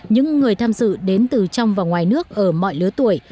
những người tham dự đến từ trong và ngoài nước ở mọi lứa tuổi